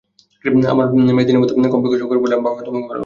আমার মেয়ে দিনের মধ্যে কমপক্ষে অসংখ্যবার বলে বাবা আমি তোমাকে অনেক ভালোবাসি।